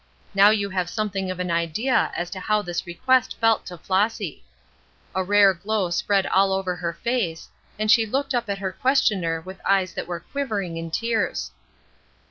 Now you have something of an idea as to how this request felt to Flossy. A rare glow spread all over her face, and she looked up at her questioner with eyes that were quivering in tears.